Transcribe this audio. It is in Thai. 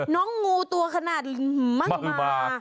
น้องงูตัวขนาดมากมาก